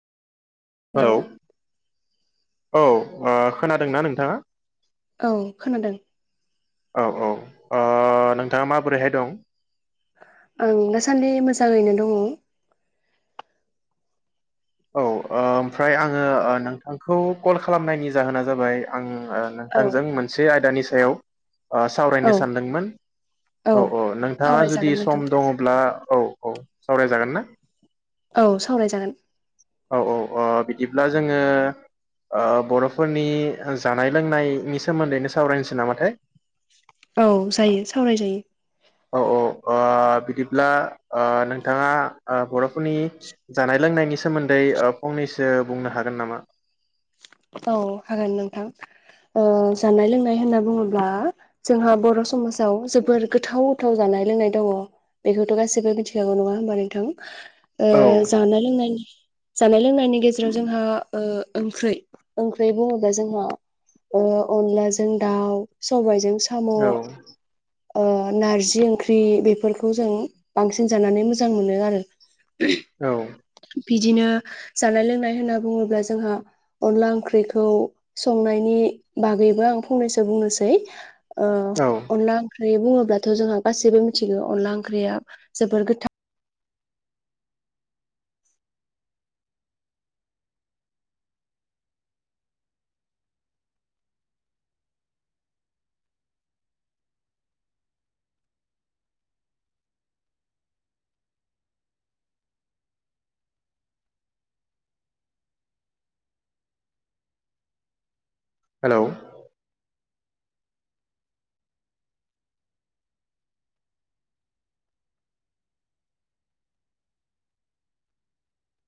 Hello औ ओ खोनादोंना नोंथाङा? औ खोनादों औ औ ओ नोंथाङा माबोरैहाय दं आं दासान्दि मोजाङैनो दङ औ ओ ओमफ्राय आङो ओ नोंथांखौ कल खालामनायनि जाहोना जाबाय आं ओ औ नोंथांजों मोनसे आयदानि सा सायाव ओ औ सावरायनो सानदोंमोन औ औ नोंथाङा जुदि सावरायजागोन नोंथां सम दङ'ब्ला औ औ सावरायजागोन ना औ सावराय जागोन औ औ ओ बिदिब्ला जोङो बरफोरनि जानाय लोंनायनि सोमोन्दैनो सावरायनोसै नामाथाय औ जायो सावरायजायो। औ औ औ बिदिब्ला ओ नोंथाङा बर'फोरनि जानाय लोंनायनि सोमोन्दै ओ फंनैसो बुंनो हागोन नामा? औ हागोन नोंथां ओ जानाय लोंनाय होनना बुङोब्ला जोंहा बर समाजाव जोबोर गोथाव गोथाव जानाय लोंनाय दङ बेखौथ गासिबो मिथिखागौ नङा होमबा नोंथां ओ औ जानाय लोंनायनि जानाय लोंना नि गेजेराव जोंहा ओ ओंख्रै ओंख्रै बुङोब्ला जोंहा ओ अनलाजों दाउ, सबायजों साम' औ ओ नारजि ओंख्रि बेफोरखौ जों बांसिन जानानै मोजां मोनो आरो। औ। बिदिनो जानाय लोंनाय होनना बुङोब्ला जोंहा अनला ओंख्रिखौ संनायनि बागैबो आं फंनैसो बुंनोसै ओ औ अनला ओंख्रि ख्रि बुङोब्लाथ जोंहा गासैबो मिथिगौ अनला ओंख्रिया जोबोर गोथा हेलौ।